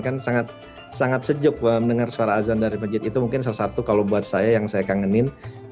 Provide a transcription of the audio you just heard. kan sangat sejuk mendengar suara azan dari masjid itu mungkin salah satu kalau buat saya yang saya kangenin